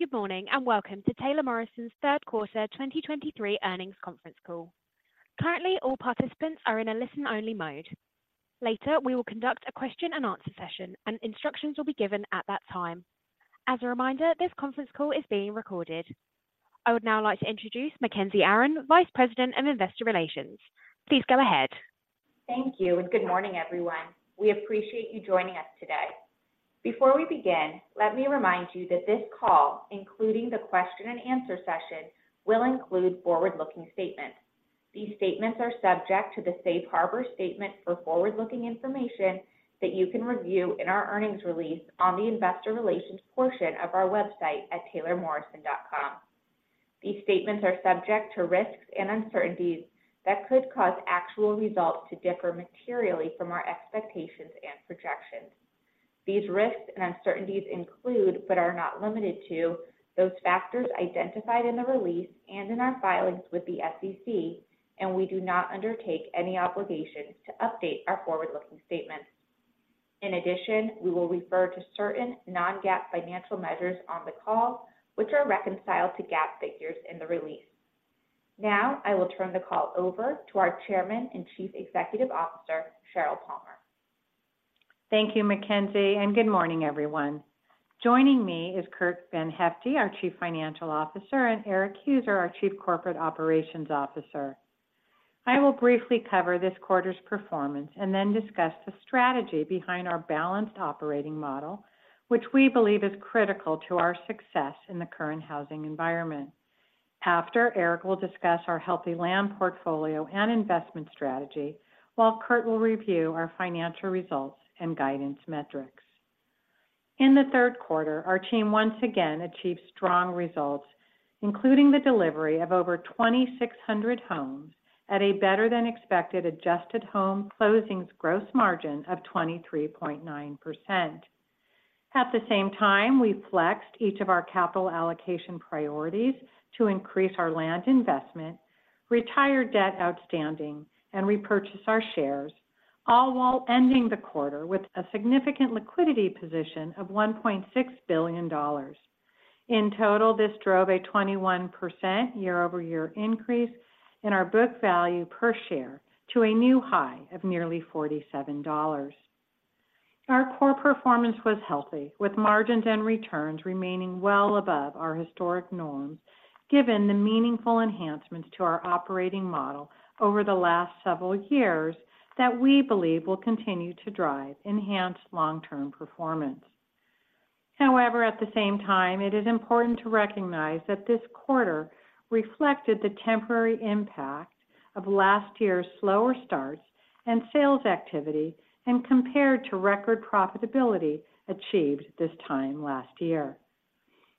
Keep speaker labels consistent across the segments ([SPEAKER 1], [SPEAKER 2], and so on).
[SPEAKER 1] Good morning, and welcome to Taylor Morrison's Q3 2023 earnings conference call. Currently, all participants are in a listen-only mode. Later, we will conduct a question-and-answer session, and instructions will be given at that time. As a reminder, this conference call is being recorded. I would now like to introduce Mackenzie Aron, Vice President of Investor Relations. Please go ahead.
[SPEAKER 2] Thank you, and good morning, everyone. We appreciate you joining us today. Before we begin, let me remind you that this call, including the question and answer session, will include forward-looking statements. These statements are subject to the safe harbor statement for forward-looking information that you can review in our earnings release on the investor relations portion of our website at taylormorrison.com. These statements are subject to risks and uncertainties that could cause actual results to differ materially from our expectations and projections. These risks and uncertainties include, but are not limited to, those factors identified in the release and in our filings with the SEC, and we do not undertake any obligation to update our forward-looking statements. In addition, we will refer to certain non-GAAP financial measures on the call, which are reconciled to GAAP figures in the release. Now, I will turn the call over to our Chairman and Chief Executive Officer, Sheryl Palmer.
[SPEAKER 3] Thank you, Mackenzie, and good morning, everyone. Joining me is Curt VanHyfte, our Chief Financial Officer; and Erik Heuser, our Chief Corporate Operations Officer. I will briefly cover this quarter's performance and then discuss the strategy behind our balanced operating model, which we believe is critical to our success in the current housing environment. After, Erik will discuss our healthy land portfolio and investment strategy, while Curt will review our financial results and guidance metrics. In the Q3, our team once again achieved strong results, including the delivery of over 2,600 homes at a better-than-expected adjusted home closings gross margin of 23.9%. At the same time, we flexed each of our capital allocation priorities to increase our land investment, retire debt outstanding, and repurchase our shares, all while ending the quarter with a significant liquidity position of $1.6 billion. In total, this drove a 21% year-over-year increase in our book value per share to a new high of nearly $47. Our core performance was healthy, with margins and returns remaining well above our historic norms, given the meaningful enhancements to our operating model over the last several years that we believe will continue to drive enhanced long-term performance. However, at the same time, it is important to recognize that this quarter reflected the temporary impact of last year's slower starts and sales activity and compared to record profitability achieved this time last year.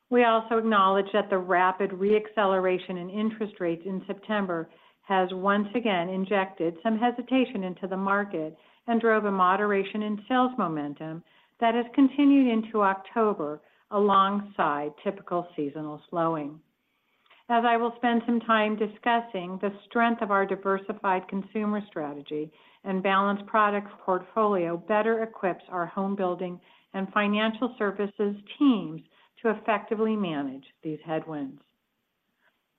[SPEAKER 3] We also acknowledge that the rapid re-acceleration in interest rates in September has once again injected some hesitation into the market and drove a moderation in sales momentum that has continued into October alongside typical seasonal slowing. As I will spend some time discussing, the strength of our diversified consumer strategy and balanced products portfolio better equips our homebuilding and financial services teams to effectively manage these headwinds.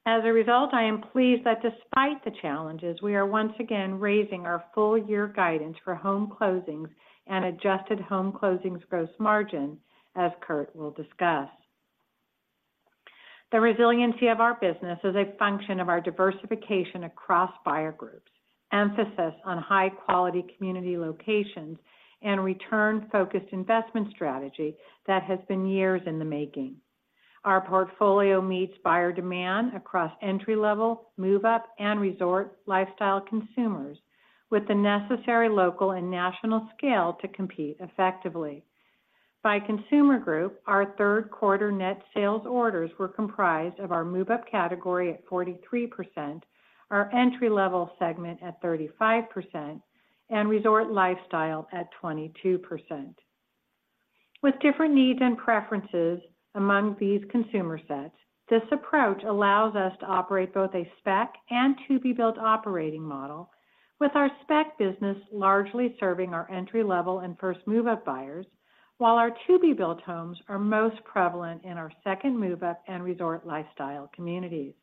[SPEAKER 3] As a result, I am pleased that despite the challenges, we are once again raising our full-year guidance for home closings and Adjusted Home Closings Gross Margin, as Curt will discuss. The resiliency of our business is a function of our diversification across buyer groups, emphasis on high-quality community locations, and return-focused investment strategy that has been years in the making. Our portfolio meets buyer demand across entry-level, move-up, and resort lifestyle consumers, with the necessary local and national scale to compete effectively. By consumer group, our Q3 net sales orders were comprised of our move-up category at 43%, our entry-level segment at 35%, and resort lifestyle at 22%. With different needs and preferences among these consumer sets, this approach allows us to operate both a spec and to-be-built operating model, with our spec business largely serving our entry-level and first move-up buyers, while our to-be-built homes are most prevalent in our second move-up and resort lifestyle communities.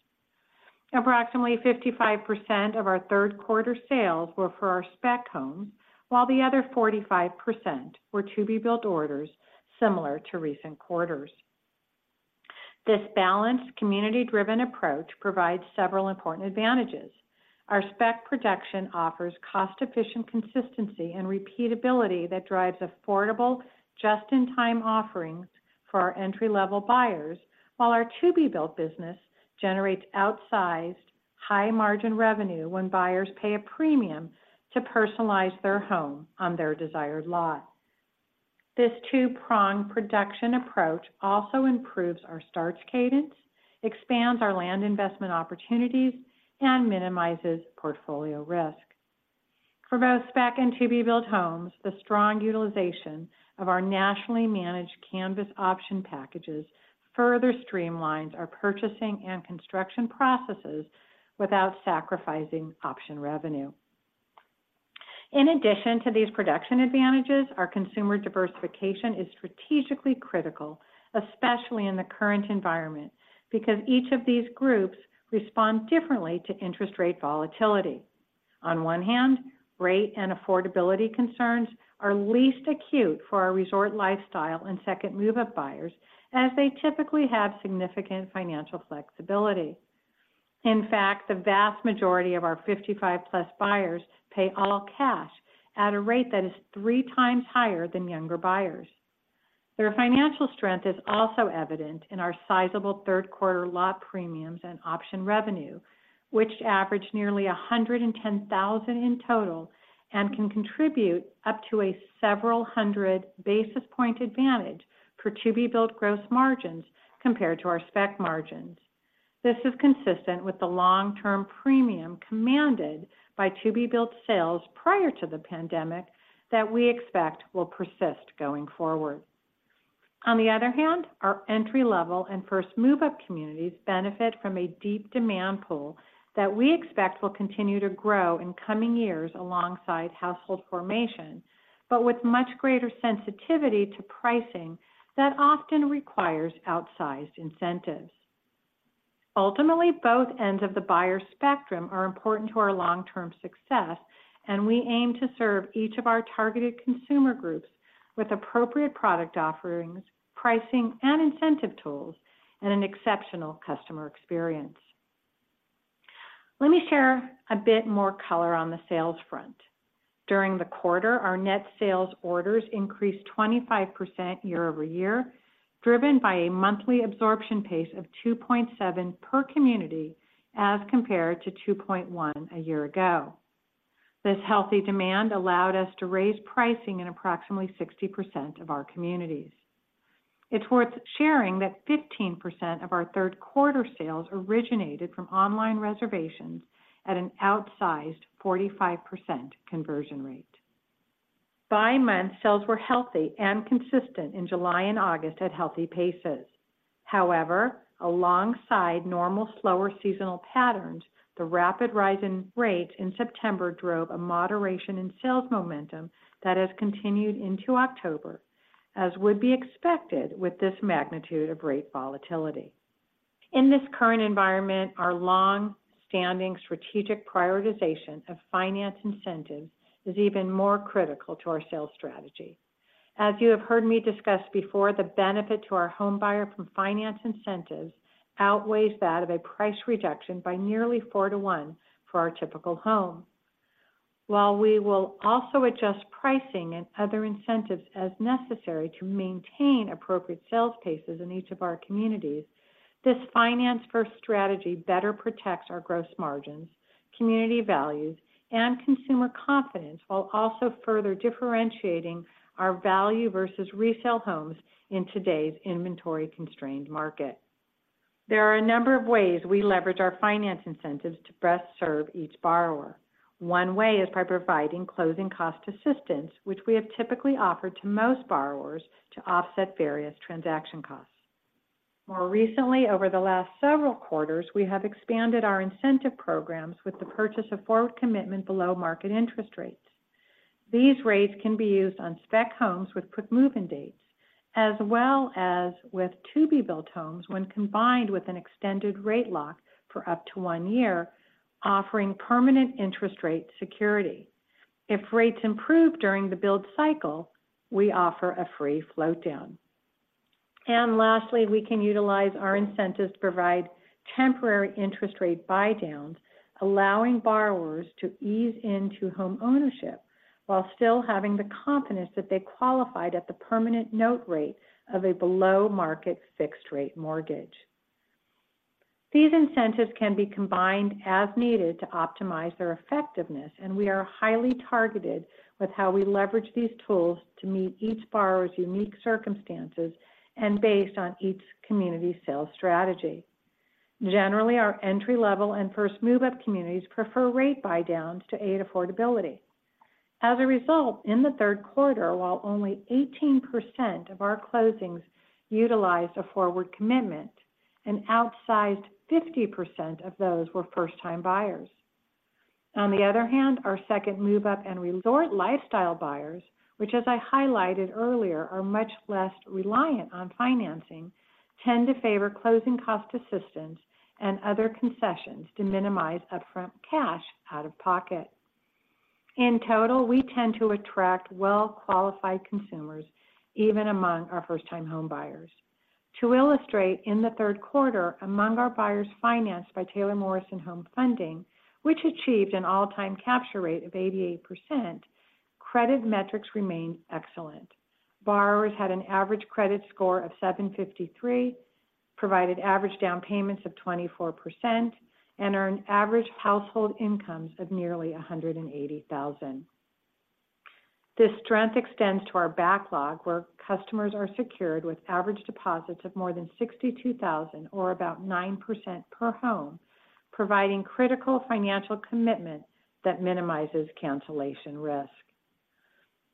[SPEAKER 3] Approximately 55% of our Q3 sales were for our spec homes, while the other 45% were to-be-built orders, similar to recent quarters. This balanced, community-driven approach provides several important advantages. Our spec production offers cost-efficient consistency and repeatability that drives affordable, just-in-time offerings for our entry-level buyers, while our to-be-built business generates outsized, high-margin revenue when buyers pay a premium to personalize their home on their desired lot. This two-pronged production approach also improves our starts cadence, expands our land investment opportunities, and minimizes portfolio risk. For both spec and to-be-built homes, the strong utilization of our nationally managed Canvas option packages further streamlines our purchasing and construction processes without sacrificing option revenue. In addition to these production advantages, our consumer diversification is strategically critical, especially in the current environment, because each of these groups respond differently to interest rate volatility. On one hand, rate and affordability concerns are least acute for our resort lifestyle and second move-up buyers, as they typically have significant financial flexibility. In fact, the vast majority of our 55+ buyers pay all cash at a rate that is three times higher than younger buyers. Their financial strength is also evident in our sizable Q3 lot premiums and option revenue, which averaged nearly 110,000 in total and can contribute up to a several hundred basis point advantage for to-be-built gross margins compared to our spec margins. This is consistent with the long-term premium commanded by to-be-built sales prior to the pandemic that we expect will persist going forward. On the other hand, our entry-level and first move-up communities benefit from a deep demand pool that we expect will continue to grow in coming years alongside household formation, but with much greater sensitivity to pricing that often requires outsized incentives. Ultimately, both ends of the buyer spectrum are important to our long-term success, and we aim to serve each of our targeted consumer groups with appropriate product offerings, pricing and incentive tools, and an exceptional customer experience. Let me share a bit more color on the sales front. During the quarter, our net sales orders increased 25% year-over-year, driven by a monthly absorption pace of 2.7 per community as compared to 2.1 a year ago. This healthy demand allowed us to raise pricing in approximately 60% of our communities. It's worth sharing that 15% of our Q3 sales originated from online reservations at an outsized 45% conversion rate. By month, sales were healthy and consistent in July and August at healthy paces. However, alongside normal, slower seasonal patterns, the rapid rise in rates in September drove a moderation in sales momentum that has continued into October, as would be expected with this magnitude of rate volatility. In this current environment, our long-standing strategic prioritization of finance incentives is even more critical to our sales strategy. As you have heard me discuss before, the benefit to our homebuyer from finance incentives outweighs that of a price reduction by nearly 4-to-1 for our typical home. While we will also adjust pricing and other incentives as necessary to maintain appropriate sales paces in each of our communities, this finance-first strategy better protects our gross margins, community values, and consumer confidence, while also further differentiating our value versus resale homes in today's inventory-constrained market. There are a number of ways we leverage our finance incentives to best serve each borrower. One way is by providing closing cost assistance, which we have typically offered to most borrowers to offset various transaction costs. More recently, over the last several quarters, we have expanded our incentive programs with the purchase of forward commitment below market interest rates. These rates can be used on spec homes with quick move-in dates, as well as with to-be-built homes when combined with an extended rate lock for up to one year, offering permanent interest rate security. If rates improve during the build cycle, we offer a free float down. Lastly, we can utilize our incentives to provide temporary interest rate buydowns, allowing borrowers to ease into homeownership while still having the confidence that they qualified at the permanent note rate of a below-market fixed rate mortgage. These incentives can be combined as needed to optimize their effectiveness, and we are highly targeted with how we leverage these tools to meet each borrower's unique circumstances and based on each community's sales strategy. Generally, our entry-level and first move-up communities prefer rate buydowns to aid affordability. As a result, in the Q3, while only 18% of our closings utilized a forward commitment, an outsized 50% of those were first-time buyers. On the other hand, our second move-up and resort lifestyle buyers, which, as I highlighted earlier, are much less reliant on financing, tend to favor closing cost assistance and other concessions to minimize upfront cash out of pocket. In total, we tend to attract well-qualified consumers, even among our first-time homebuyers. To illustrate, in the Q3, among our buyers financed by Taylor Morrison Home Funding, which achieved an all-time capture rate of 88%, credit metrics remained excellent. Borrowers had an average credit score of 753, provided average down payments of 24%, and earned average household incomes of nearly $180,000. This strength extends to our backlog, where customers are secured with average deposits of more than $62,000 or about 9% per home, providing critical financial commitment that minimizes cancellation risk.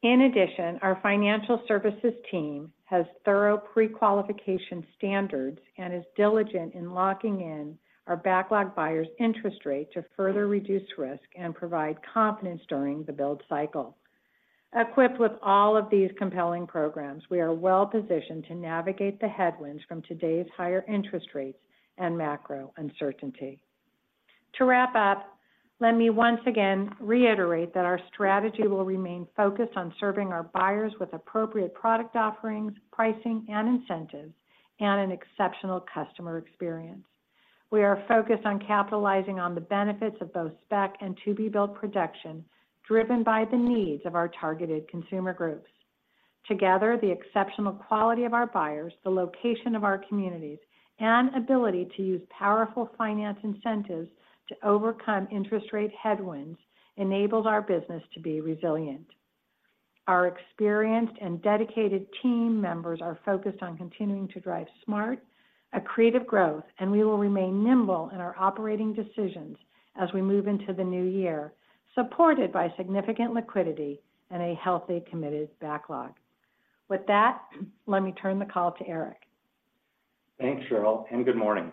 [SPEAKER 3] In addition, our financial services team has thorough prequalification standards and is diligent in locking in our backlog buyers' interest rate to further reduce risk and provide confidence during the build cycle. Equipped with all of these compelling programs, we are well-positioned to navigate the headwinds from today's higher interest rates and macro uncertainty. To wrap up, let me once again reiterate that our strategy will remain focused on serving our buyers with appropriate product offerings, pricing, and incentives, and an exceptional customer experience. We are focused on capitalizing on the benefits of both spec and to-be-built production, driven by the needs of our targeted consumer groups. Together, the exceptional quality of our buyers, the location of our communities, and ability to use powerful finance incentives to overcome interest rate headwinds enables our business to be resilient. Our experienced and dedicated team members are focused on continuing to drive smart, accretive growth, and we will remain nimble in our operating decisions as we move into the new year, supported by significant liquidity and a healthy, committed backlog. With that, let me turn the call to Erik.
[SPEAKER 4] Thanks, Sheryl, and good morning.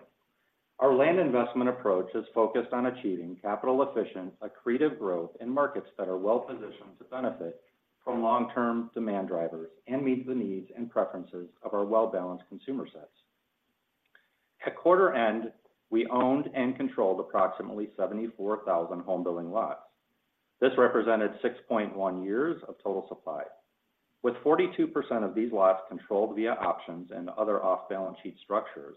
[SPEAKER 4] Our land investment approach is focused on achieving capital-efficient, accretive growth in markets that are well-positioned to benefit from long-term demand drivers and meet the needs and preferences of our well-balanced consumer sets. At quarter-end, we owned and controlled approximately 74,000 homebuilding lots. This represented 6.1 years of total supply. With 42% of these lots controlled via options and other off-balance sheet structures,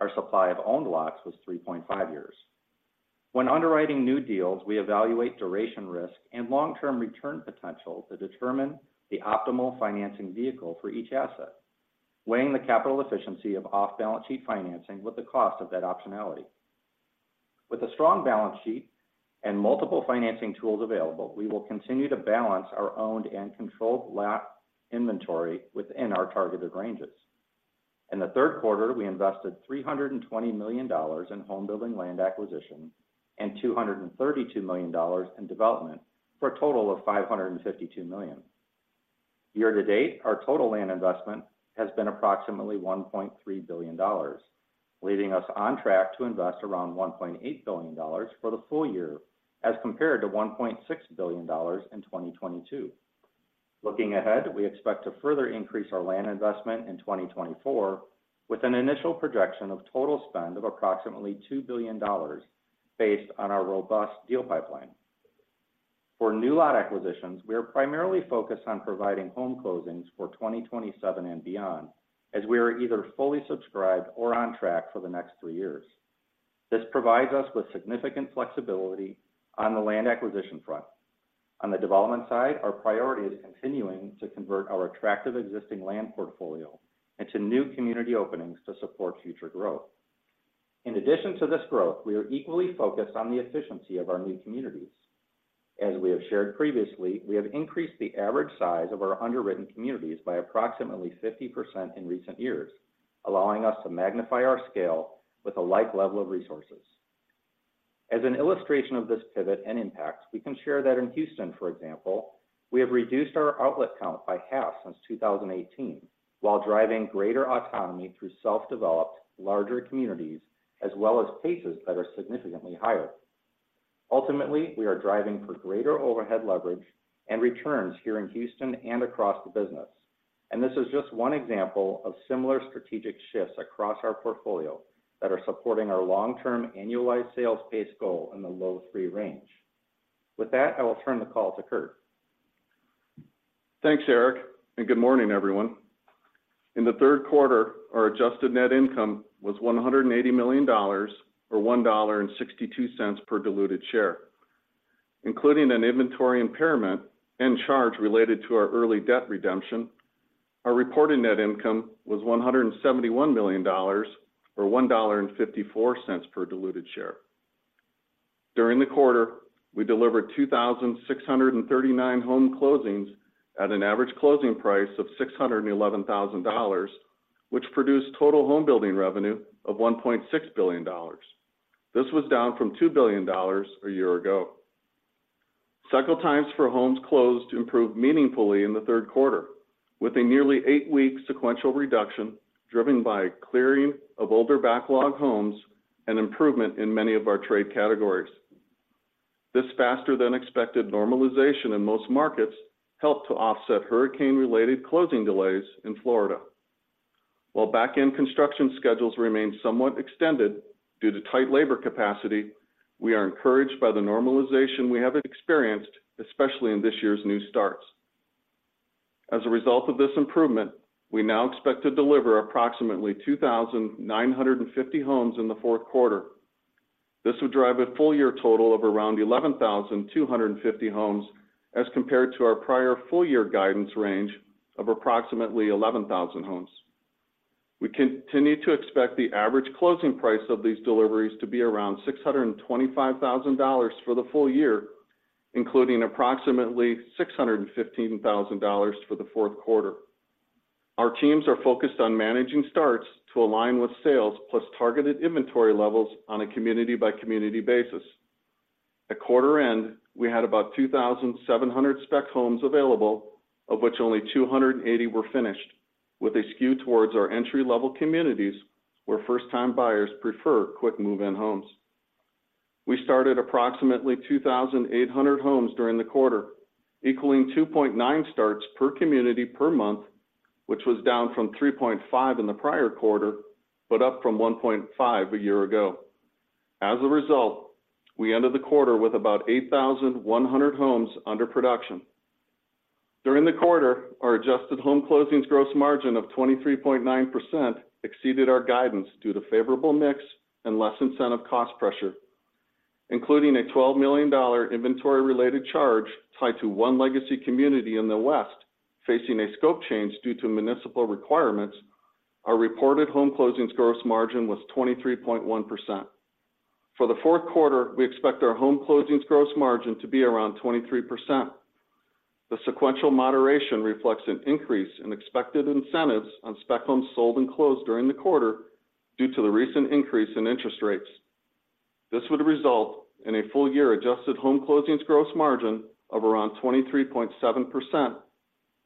[SPEAKER 4] our supply of owned lots was 3.5 years. When underwriting new deals, we evaluate duration risk and long-term return potential to determine the optimal financing vehicle for each asset, weighing the capital efficiency of off-balance sheet financing with the cost of that optionality. With a strong balance sheet and multiple financing tools available, we will continue to balance our owned and controlled lot inventory within our targeted ranges. In the Q3, we invested $320 million in homebuilding land acquisition and $232 million in development, for a total of $552 million. Year to date, our total land investment has been approximately $1.3 billion, leaving us on track to invest around $1.8 billion for the full year, as compared to $1.6 billion in 2022. Looking ahead, we expect to further increase our land investment in 2024, with an initial projection of total spend of approximately $2 billion based on our robust deal pipeline. For new lot acquisitions, we are primarily focused on providing home closings for 2027 and beyond, as we are either fully subscribed or on track for the next three years. This provides us with significant flexibility on the land acquisition front. On the development side, our priority is continuing to convert our attractive existing land portfolio into new community openings to support future growth. In addition to this growth, we are equally focused on the efficiency of our new communities. As we have shared previously, we have increased the average size of our underwritten communities by approximately 50% in recent years, allowing us to magnify our scale with a like level of resources. As an illustration of this pivot and impact, we can share that in Houston, for example, we have reduced our outlet count by half since 2018, while driving greater autonomy through self-developed, larger communities, as well as paces that are significantly higher. Ultimately, we are driving for greater overhead leverage and returns here in Houston and across the business. This is just one example of similar strategic shifts across our portfolio that are supporting our long-term annualized sales pace goal in the low three range. With that, I will turn the call to Curt.
[SPEAKER 5] Thanks, Eric, and good morning, everyone. In the Q3, our adjusted net income was $180 million, or $1.62 per diluted share. Including an inventory impairment and charge related to our early debt redemption, our reported net income was $171 million, or $1.54 per diluted share. During the quarter, we delivered 2,639 home closings at an average closing price of $611,000, which produced total homebuilding revenue of $1.6 billion. This was down from $2 billion a year ago. Cycle times for homes closed improved meaningfully in the Q3, with a nearly eight-week sequential reduction, driven by clearing of older backlog homes and improvement in many of our trade categories. This faster-than-expected normalization in most markets helped to offset hurricane-related closing delays in Florida. While back-end construction schedules remain somewhat extended due to tight labor capacity, we are encouraged by the normalization we have experienced, especially in this year's new starts. As a result of this improvement, we now expect to deliver approximately 2,950 homes in the fourth quarter. This would drive a full year total of around 11,250 homes as compared to our prior full year guidance range of approximately 11,000 homes. We continue to expect the average closing price of these deliveries to be around $625,000 for the full year, including approximately $615,000 for the fourth quarter. Our teams are focused on managing starts to align with sales, plus targeted inventory levels on a community-by-community basis. At quarter end, we had about 2,700 spec homes available, of which only 280 were finished, with a skew towards our entry-level communities, where first-time buyers prefer quick move-in homes. We started approximately 2,800 homes during the quarter, equaling 2.9 starts per community per month, which was down from 3.5 in the prior quarter, but up from 1.5 a year ago. As a result, we ended the quarter with about 8,100 homes under production. During the quarter, our Adjusted Home Closings Gross Margin of 23.9% exceeded our guidance due to favorable mix and less incentive cost pressure. Including a $12 million inventory-related charge tied to one legacy community in the West, facing a scope change due to municipal requirements, our reported home closings gross margin was 23.1%. For the fourth quarter, we expect our home closings gross margin to be around 23%. The sequential moderation reflects an increase in expected incentives on spec homes sold and closed during the quarter due to the recent increase in interest rates. This would result in a full year adjusted home closings gross margin of around 23.7%,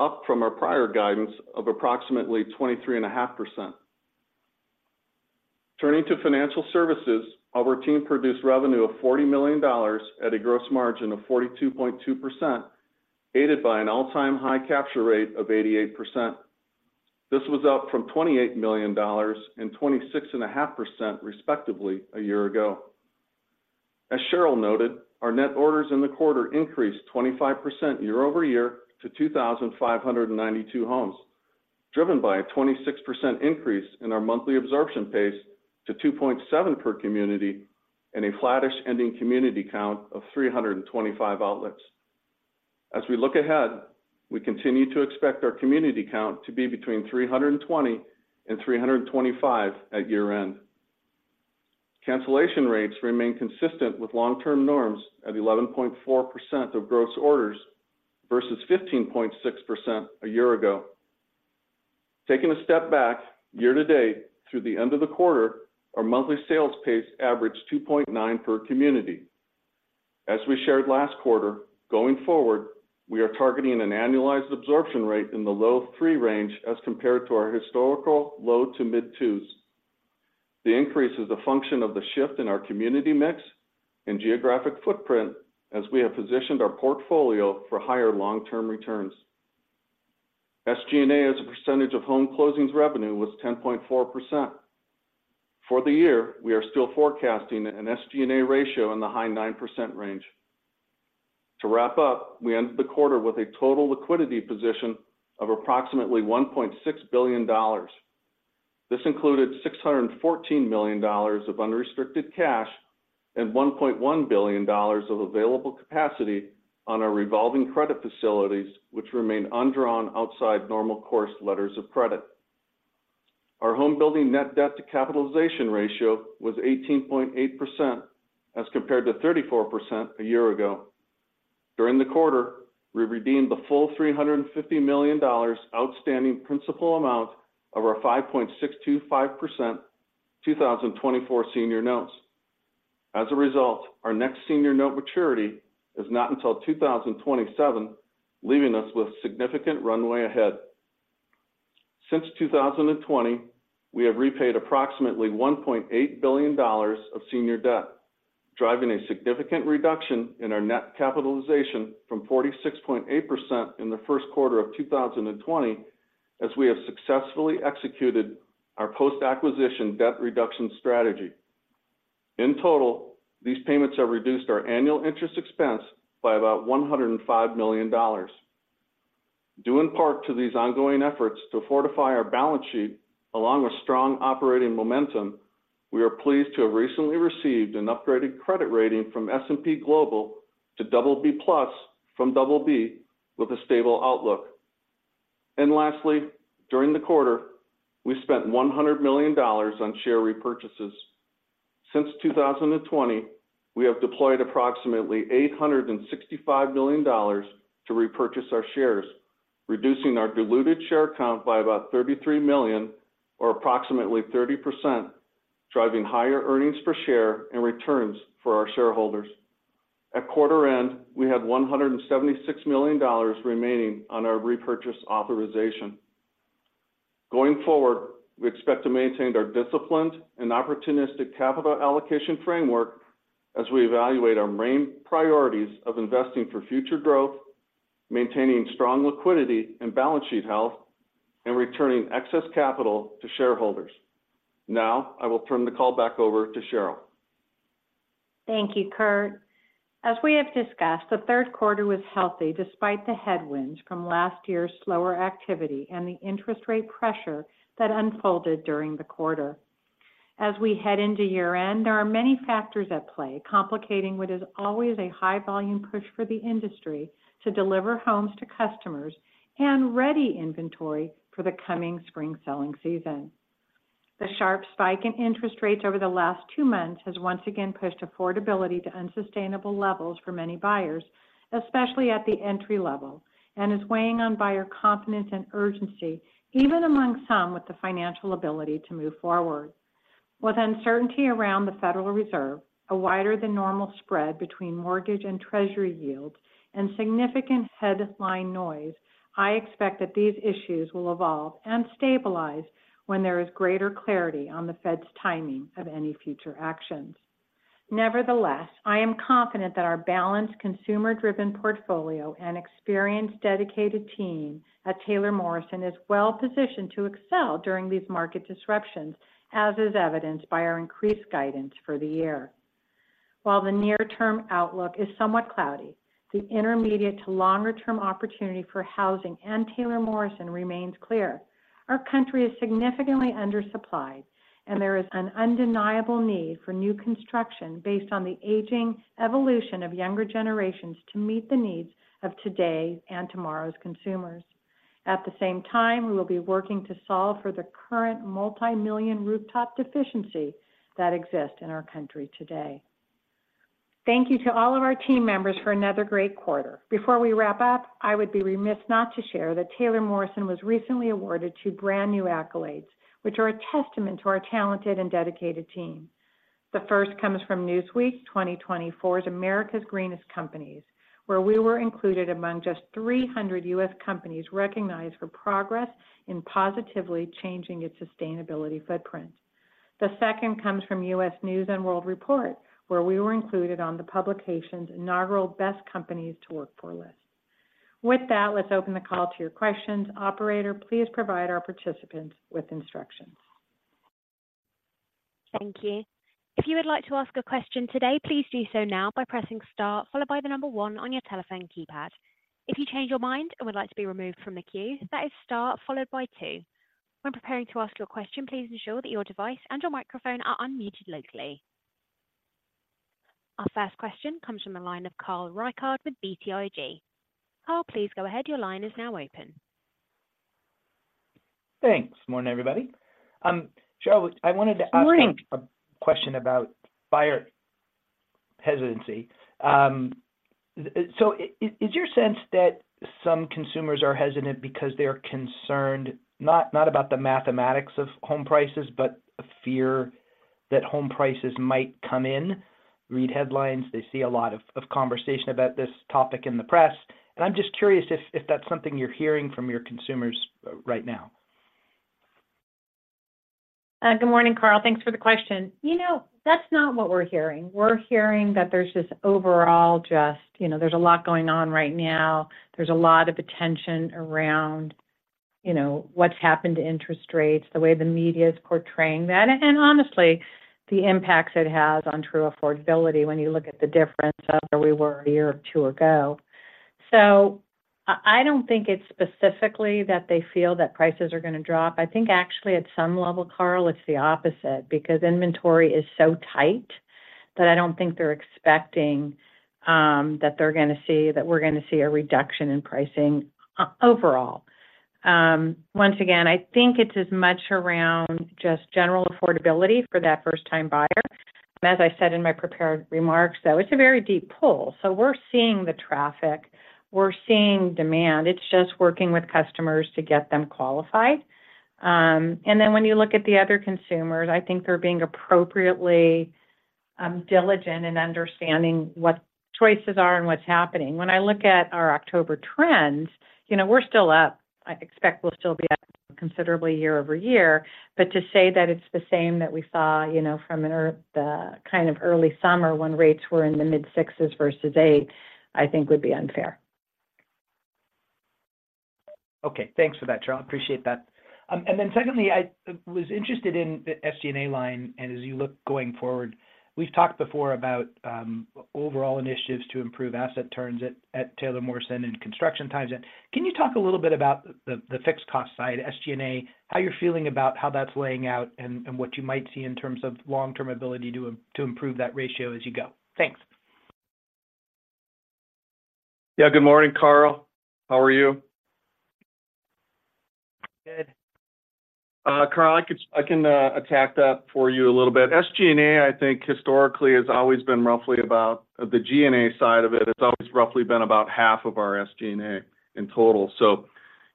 [SPEAKER 5] up from our prior guidance of approximately 23.5%. Turning to financial services, our team produced revenue of $40 million at a gross margin of 42.2%, aided by an all-time high capture rate of 88%. This was up from $28 million and 26.5%, respectively, a year ago. As Sheryl noted, our net orders in the quarter increased 25% year over year to 2,592 homes, driven by a 26% increase in our monthly absorption pace to 2.7 per community and a flattish ending community count of 325 outlets. As we look ahead, we continue to expect our community count to be between 320 and 325 at year-end. Cancellation rates remain consistent with long-term norms at 11.4% of gross orders versus 15.6% a year ago. Taking a step back, year to date, through the end of the quarter, our monthly sales pace averaged 2.9 per community. As we shared last quarter, going forward, we are targeting an annualized absorption rate in the low three range as compared to our historical low-to-mid twos. The increase is a function of the shift in our community mix and geographic footprint as we have positioned our portfolio for higher long-term returns. SG&A, as a percentage of home closings revenue, was 10.4%. For the year, we are still forecasting an SG&A ratio in the high 9% range. To wrap up, we ended the quarter with a total liquidity position of approximately $1.6 billion. This included $614 million of unrestricted cash and $1.1 billion of available capacity on our revolving credit facilities, which remain undrawn outside normal course letters of credit. Our homebuilding net debt-to-capitalization ratio was 18.8%, as compared to 34% a year ago. During the quarter, we redeemed the full $350 million outstanding principal amount of our 5.625%, 2024 senior notes. As a result, our next senior note maturity is not until 2027, leaving us with significant runway ahead. Since 2020, we have repaid approximately $1.8 billion of senior debt, driving a significant reduction in our net capitalization from 46.8% in the first quarter of 2020, as we have successfully executed our post-acquisition debt reduction strategy. In total, these payments have reduced our annual interest expense by about $105 million. Due in part to these ongoing efforts to fortify our balance sheet, along with strong operating momentum, we are pleased to have recently received an upgraded credit rating from S&P Global to BB+ from BB, with a stable outlook. Lastly, during the quarter, we spent $100 million on share repurchases. Since 2020, we have deployed approximately $865 million to repurchase our shares, reducing our diluted share count by about 33 million or approximately 30%, driving higher earnings per share and returns for our shareholders. At quarter end, we had $176 million remaining on our repurchase authorization. Going forward, we expect to maintain our disciplined and opportunistic capital allocation framework as we evaluate our main priorities of investing for future growth, maintaining strong liquidity and balance sheet health, and returning excess capital to shareholders. Now, I will turn the call back over to Sheryl.
[SPEAKER 3] Thank you, Curt. As we have discussed, the Q3 was healthy despite the headwinds from last year's slower activity and the interest rate pressure that unfolded during the quarter. As we head into year-end, there are many factors at play, complicating what is always a high volume push for the industry to deliver homes to customers and ready inventory for the coming spring selling season. The sharp spike in interest rates over the last two months has once again pushed affordability to unsustainable levels for many buyers, especially at the entry level, and is weighing on buyer confidence and urgency, even among some with the financial ability to move forward.
[SPEAKER 5] With uncertainty around the Federal Reserve, a wider than normal spread between mortgage and treasury yields, and significant headline noise, I expect that these issues will evolve and stabilize when there is greater clarity on the Fed's timing of any future actions. Nevertheless, I am confident that our balanced, consumer-driven portfolio and experienced, dedicated team at Taylor Morrison is well-positioned to excel during these market disruptions, as is evidenced by our increased guidance for the year. While the near-term outlook is somewhat cloudy, the intermediate to longer-term opportunity for housing and Taylor Morrison remains clear. Our country is significantly undersupplied, and there is an undeniable need for new construction based on the aging evolution of younger generations to meet the needs of today and tomorrow's consumers. At the same time, we will be working to solve for the current multimillion rooftop deficiency that exists in our country today. Thank you to all of our team members for another great quarter. Before we wrap up, I would be remiss not to share that Taylor Morrison was recently awarded two brand-new accolades, which are a testament to our talented and dedicated team. The first comes from Newsweek's "2024's America's Greenest Companies," where we were included among just 300 U.S. companies recognized for progress in positively changing its sustainability footprint. The second comes from U.S. News & World Report, where we were included on the publication's inaugural Best Companies to Work For list. With that, let's open the call to your questions. Operator, please provide our participants with instructions.
[SPEAKER 1] Thank you. If you would like to ask a question today, please do so now by pressing star followed by the number one on your telephone keypad. If you change your mind and would like to be removed from the queue, that is star followed by two. When preparing to ask your question, please ensure that your device and your microphone are unmuted locally. Our first question comes from the line of Carl Reichardt with BTIG. Carl, please go ahead. Your line is now open.
[SPEAKER 6] Thanks. Morning, everybody. Sheryl, I wanted to-
[SPEAKER 3] Good morning
[SPEAKER 6] [I will have to ask a question about buyer hesitancy. So, is your sense that some consumers are hesitant because they're concerned, not, not about the mathematics of home prices, but a fear that home prices might come in? Read headlines, they see a lot of, of conversation about this topic in the press, and I'm just curious if, if that's something you're hearing from your consumers right now.
[SPEAKER 3] Good morning, Carl. Thanks for the question. You know, that's not what we're hearing. We're hearing that there's just overall just, you know, there's a lot going on right now. There's a lot of attention around, you know, what's happened to interest rates, the way the media is portraying that, and honestly, the impacts it has on true affordability when you look at the difference of where we were a year or two ago. So I, I don't think it's specifically that they feel that prices are gonna drop. I think actually, at some level, Carl, it's the opposite, because inventory is so tight that I don't think they're expecting, that they're gonna see -- that we're gonna see a reduction in pricing overall. Once again, I think it's as much around just general affordability for that first-time buyer. But as I said in my prepared remarks, though, it's a very deep pull. So we're seeing the traffic, we're seeing demand, it's just working with customers to get them qualified. And then when you look at the other consumers, I think they're being appropriately diligent in understanding what choices are and what's happening. When I look at our October trends, you know, we're still up. I expect we'll still be up considerably year over year. But to say that it's the same that we saw, you know, the kind of early summer when rates were in the mid sixes versus eight, I think would be unfair.
[SPEAKER 6] Okay. Thanks for that, Sheryl. I appreciate that. And then secondly, I was interested in the SG&A line, and as you look going forward. We've talked before about overall initiatives to improve asset turns at Taylor Morrison and construction times. And can you talk a little bit about the fixed cost side, SG&A, how you're feeling about how that's laying out and what you might see in terms of long-term ability to improve that ratio as you go? Thanks.
[SPEAKER 5] Yeah. Good morning, Carl. How are you?
[SPEAKER 6] Good.
[SPEAKER 5] Carl, I can attack that for you a little bit. SG&A, I think historically has always been roughly about... The G&A side of it, it's always roughly been about half of our SG&A in total. So,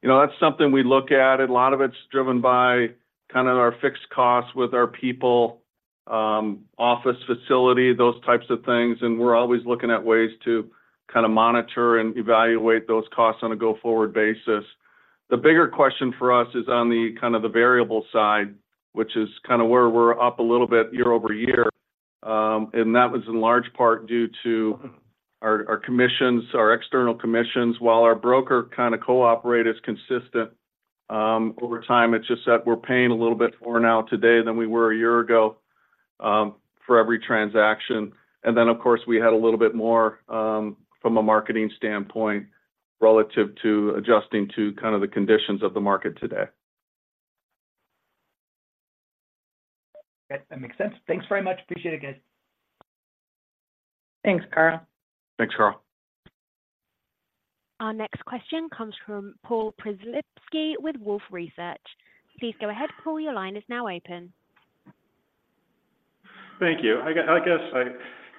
[SPEAKER 5] you know, that's something we look at, and a lot of it's driven by kind of our fixed costs with our people, office facility, those types of things, and we're always looking at ways to kind of monitor and evaluate those costs on a go-forward basis. The bigger question for us is on the kind of the variable side, which is kind of where we're up a little bit year-over-year. And that was in large part due to our, our commissions, our external commissions. While our brokerage co-op rate is consistent, over time, it's just that we're paying a little bit more now today than we were a year ago, for every transaction. And then, of course, we had a little bit more, from a marketing standpoint, relative to adjusting to kind of the conditions of the market today.
[SPEAKER 6] Okay. That makes sense. Thanks very much. Appreciate it, guys.
[SPEAKER 3] Thanks, Carl.
[SPEAKER 5] Thanks, Carl.
[SPEAKER 1] Our next question comes from Paul Przybylski with Wolfe Research. Please go ahead, Paul. Your line is now open.
[SPEAKER 7] Thank you. I guess,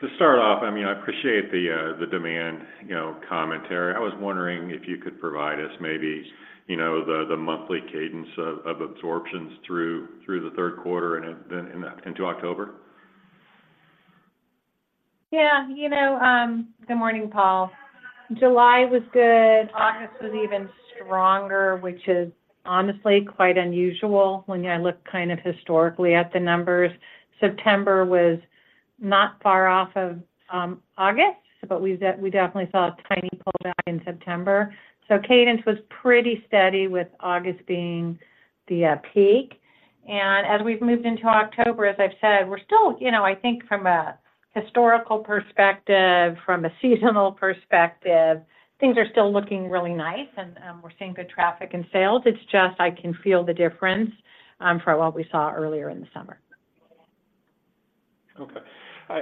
[SPEAKER 7] to start off, I mean, I appreciate the demand, you know, commentary. I was wondering if you could provide us maybe, you know, the monthly cadence of absorptions through the Q3 and then into October.
[SPEAKER 3] Yeah. You know, good morning, Paul. July was good. August was even stronger, which is honestly quite unusual when I look kind of historically at the numbers. September was not far off of August, but we definitely saw a tiny pullback in September. So cadence was pretty steady, with August being the peak. And as we've moved into October, as I've said, we're still... You know, I think from a historical perspective, from a seasonal perspective, things are still looking really nice, and we're seeing good traffic and sales. It's just I can feel the difference from what we saw earlier in the summer.
[SPEAKER 7] Okay.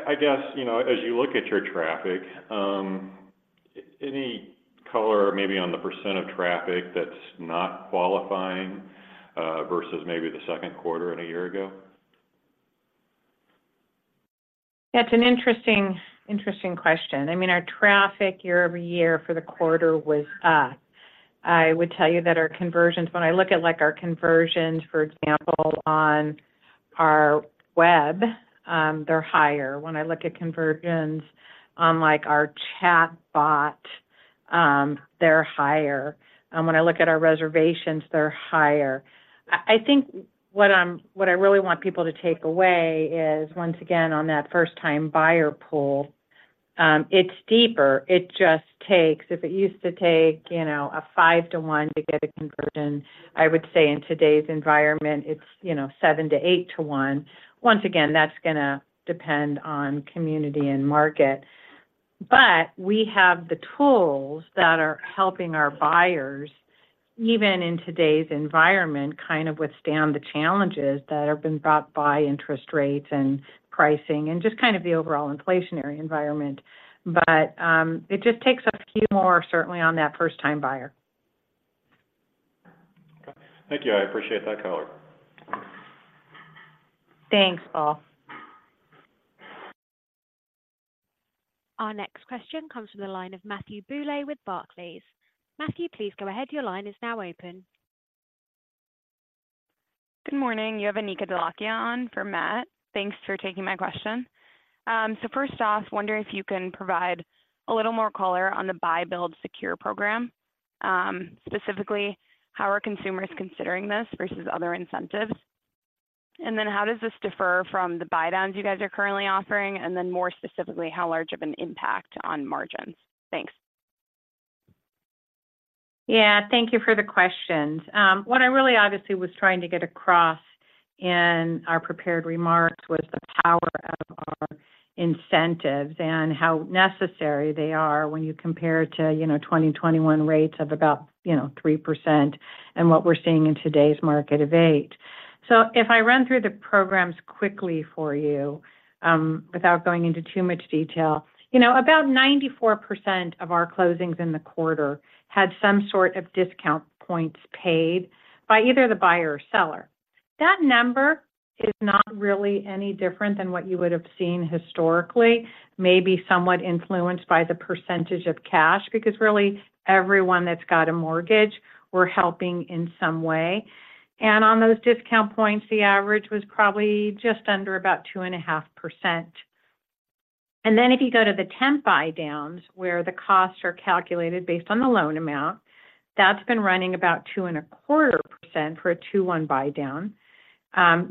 [SPEAKER 7] I guess, you know, as you look at your traffic, any color maybe on the percent of traffic that's not qualifying, versus maybe the second quarter and a year ago?
[SPEAKER 3] That's an interesting, interesting question. I mean, our traffic year over year for the quarter was up. I would tell you that our conversions, when I look at, like, our conversions, for example, on our web, they're higher. When I look at conversions on, like, our chatbot, they're higher. When I look at our reservations, they're higher. I, I think what I'm-- what I really want people to take away is, once again, on that first-time buyer pool, it's deeper. It just takes- if it used to take, you know, a five-to-one to get a conversion, I would say in today's environment, it's, you know, seven-to-eight-to-one. Once again, that's gonna depend on community and market. We have the tools that are helping our buyers, even in today's environment, kind of withstand the challenges that have been brought by interest rates and pricing and just kind of the overall inflationary environment. But, it just takes us a few more certainly on that first-time buyer.
[SPEAKER 7] Okay. Thank you. I appreciate that color.
[SPEAKER 3] Thanks, Paul.
[SPEAKER 1] Our next question comes from the line of Matthew Bouley with Barclays. Matthew, please go ahead. Your line is now open.
[SPEAKER 8] Good morning. You have Anika Dholakia on for Matt. Thanks for taking my question. So first off, wondering if you can provide a little more color on the Buy, Build, Secure program. Specifically, how are consumers considering this versus other incentives? And then how does this differ from the buydowns you guys are currently offering, and then more specifically, how large of an impact on margins? Thanks.
[SPEAKER 3] Yeah, thank you for the questions. What I really obviously was trying to get across in our prepared remarks was the power of our incentives and how necessary they are when you compare to, you know, 2021 rates of about, you know, 3% and what we're seeing in today's market of 8%. So if I run through the programs quickly for you, without going into too much detail, you know, about 94% of our closings in the quarter had some sort of discount points paid by either the buyer or seller. That number is not really any different than what you would have seen historically, maybe somewhat influenced by the percentage of cash, because really everyone that's got a mortgage, we're helping in some way. And on those discount points, the average was probably just under about 2.5%. And then if you go to the temp buydowns, where the costs are calculated based on the loan amount, that's been running about 2.25% for a two-one buydown.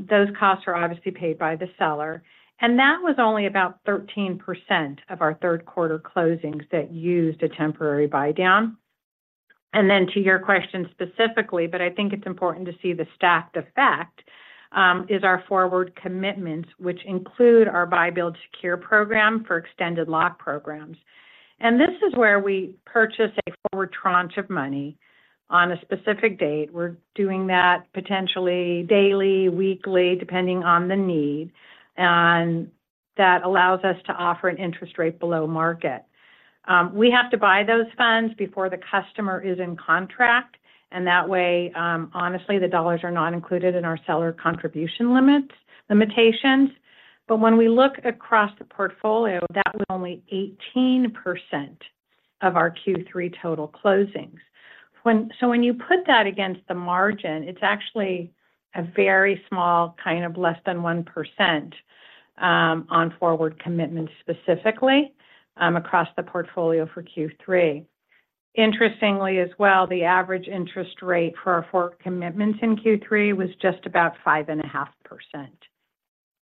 [SPEAKER 3] Those costs are obviously paid by the seller, and that was only about 13% of our Q3 closings that used a temporary buydown. And then to your question specifically, but I think it's important to see the stacked effect, is our forward commitments, which include our Buy, Build, Secure program for extended lock programs. And this is where we purchase a forward tranche of money on a specific date. We're doing that potentially daily, weekly, depending on the need, and that allows us to offer an interest rate below market. We have to buy those funds before the customer is in contract, and that way, honestly, the dollars are not included in our seller contribution limits, limitations. But when we look across the portfolio, that was only 18% of our Q3 total closings. So when you put that against the margin, it's actually a very small, kind of less than 1%, on forward commitments, specifically, across the portfolio for Q3. Interestingly as well, the average interest rate for our forward commitments in Q3 was just about 5.5%.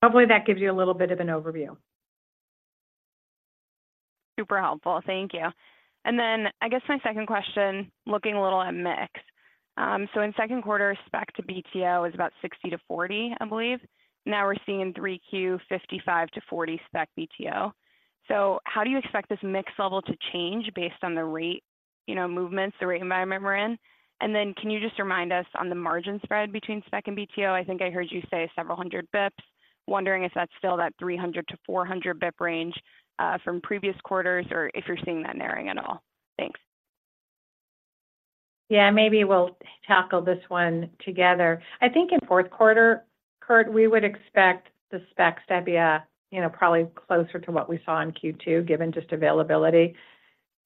[SPEAKER 3] Hopefully, that gives you a little bit of an overview.
[SPEAKER 8] Super helpful. Thank you. And then I guess my second question, looking a little at mix. So in second quarter, spec to BTO is about 60/40, I believe. Now we're seeing Q3, 55/40 spec BTO. So how do you expect this mix level to change based on the rate, you know, movements, the rate environment we're in? And then can you just remind us on the margin spread between spec and BTO? I think I heard you say several hundred basis points. I was wondering if that's still that 300-400 basis points range, from previous quarters, or if you're seeing that narrowing at all? Thanks.
[SPEAKER 3] Yeah, maybe we'll tackle this one together. I think in fourth quarter, Curt, we would expect the specs to be, you know, probably closer to what we saw in Q2, given just availability.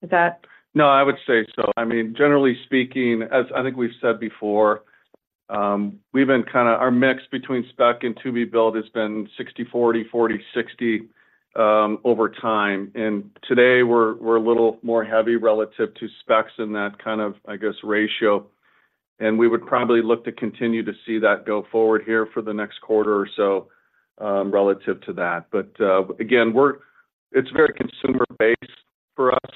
[SPEAKER 3] Is that-
[SPEAKER 5] No, I would say so. I mean, generally speaking, as I think we've said before, we've been kind of. Our mix between spec and to-be-built has been 60/40, 40/60, over time, and today we're, we're a little more heavy relative to specs in that kind of, I guess, ratio. And we would probably look to continue to see that go forward here for the next quarter or so, relative to that. But, again, it's very consumer-based for us.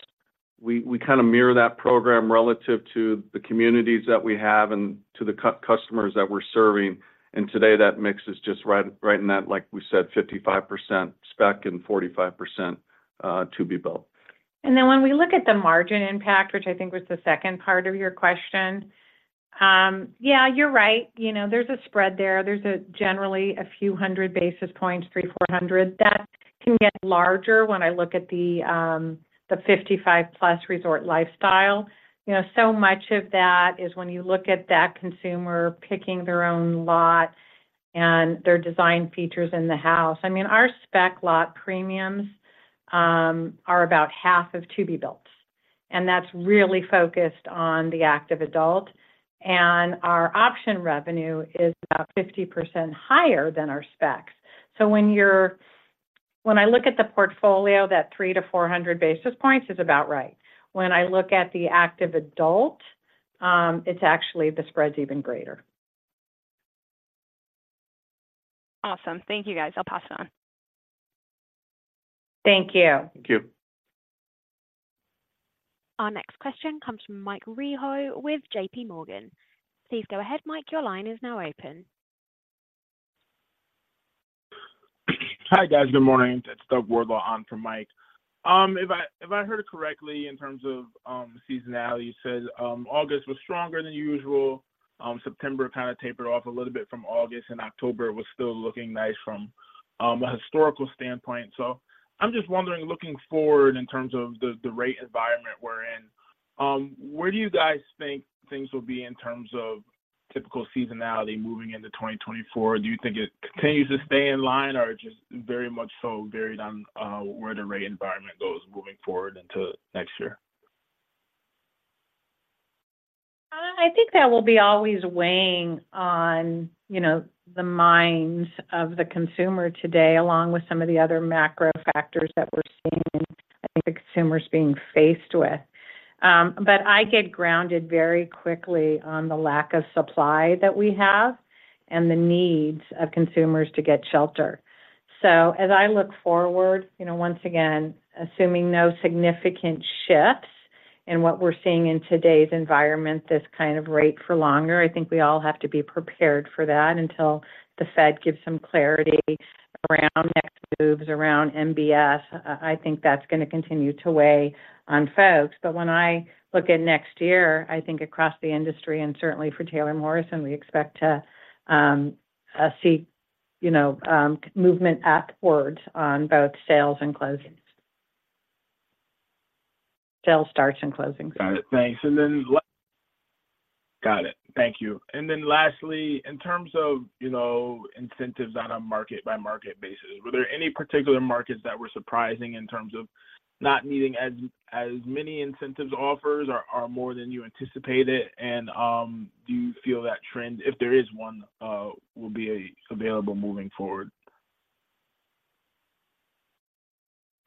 [SPEAKER 5] We kind of mirror that program relative to the communities that we have and to the customers that we're serving, and today, that mix is just right, right in that, like we said, 55% spec and 45% to-be-built.
[SPEAKER 3] And then when we look at the margin impact, which I think was the second part of your question, yeah, you're right. You know, there's a spread there. There's generally a few hundred basis points, 300-400. That can get larger when I look at the 55+ resort lifestyle. You know, so much of that is when you look at that consumer picking their own lot and their design features in the house. I mean, our spec lot premiums are about half of to-be-builts, and that's really focused on the active adult. And our option revenue is about 50% higher than our specs. So when I look at the portfolio, that 300-400 basis points is about right. When I look at the active adult, it's actually, the spread's even greater.
[SPEAKER 8] Awesome. Thank you, guys. I'll pass it on.
[SPEAKER 3] Thank you.
[SPEAKER 5] Thank you.
[SPEAKER 1] Our next question comes from Mike Rehaut with JP Morgan. Please go ahead, Mike. Your line is now open.
[SPEAKER 9] Hi, guys. Good morning. It's Doug Wardlaw on for Mike. If I heard it correctly, in terms of seasonality, you said August was stronger than usual, September kind of tapered off a little bit from August, and October was still looking nice from a historical standpoint. So I'm just wondering, looking forward in terms of the rate environment we're in, where do you guys think things will be in terms of typical seasonality moving into 2024? Do you think it continues to stay in line or just very much so varied on where the rate environment goes moving forward into next year?
[SPEAKER 3] I think that will be always weighing on, you know, the minds of the consumer today, along with some of the other macro factors that we're seeing, I think, consumers being faced with. But I get grounded very quickly on the lack of supply that we have and the needs of consumers to get shelter. So as I look forward, you know, once again, assuming no significant shifts in what we're seeing in today's environment, this kind of rate for longer, I think we all have to be prepared for that until the Fed gives some clarity around next moves, around MBS. I think that's going to continue to weigh on folks. But when I look at next year, I think across the industry and certainly for Taylor Morrison, we expect to see, you know, movement upwards on both sales and closings. Sales starts and closings.
[SPEAKER 9] Got it. Thanks. And then lastly, in terms of, you know, incentives on a market-by-market basis, were there any particular markets that were surprising in terms of not needing as many incentives offers or more than you anticipated? And do you feel that trend, if there is one, will be available moving forward?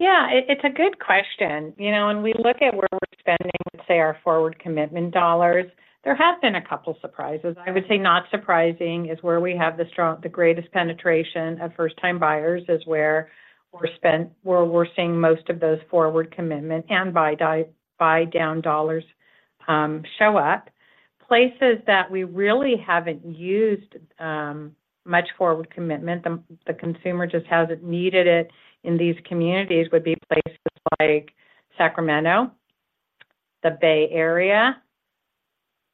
[SPEAKER 3] Yeah, it's a good question. You know, when we look at where we're spending, say, our forward commitment dollars, there have been a couple surprises. I would say not surprising is where we have the greatest penetration of first-time buyers, is where we're seeing most of those forward commitment and buy down dollars show up. Places that we really haven't used much forward commitment, the consumer just hasn't needed it in these communities, would be places like Sacramento, the Bay Area,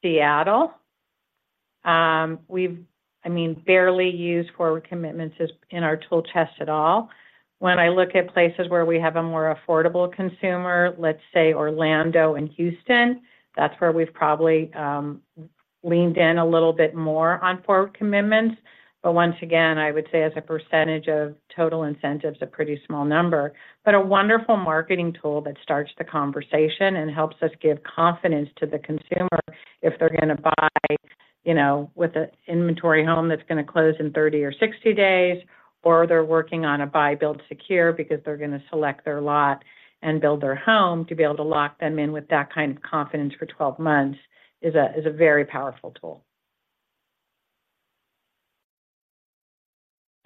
[SPEAKER 3] Seattle. I mean, we've barely used forward commitments in our toolkit at all. When I look at places where we have a more affordable consumer, let's say Orlando and Houston, that's where we've probably leaned in a little bit more on forward commitments. Once again, I would say as a percentage of total incentives, a pretty small number. But a wonderful marketing tool that starts the conversation and helps us give confidence to the consumer if they're gonna buy, you know, with an inventory home that's gonna close in 30 or 60 days, or they're working on a Buy, Build, Secure because they're gonna select their lot and build their home, to be able to lock them in with that kind of confidence for 12 months is a very powerful tool.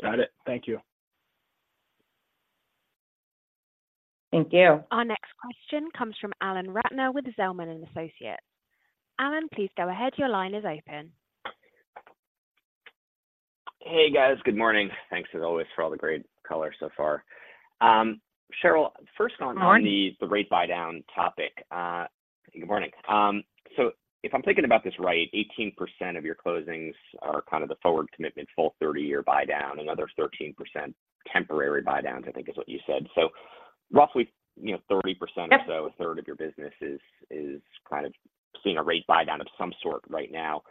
[SPEAKER 9] Got it. Thank you.
[SPEAKER 3] Thank you.
[SPEAKER 1] Our next question comes from Alan Ratner with Zelman and Associates. Alan, please go ahead. Your line is open.
[SPEAKER 10] Hey, guys. Good morning. Thanks, as always, for all the great color so far. Sheryl, first on-
[SPEAKER 3] Good morning...
[SPEAKER 10] on the rate buy-down topic,... Good morning. So if I'm thinking about this right, 18% of your closings are kind of the forward commitment, full 30-year buydown, another 13% temporary buydowns, I think is what you said. So roughly, you know, 30% or so-
[SPEAKER 3] Yep
[SPEAKER 10] A third of your business is kind of seeing a rate buydown of some sort right now.